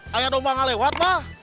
kayak domba gak lewat mbah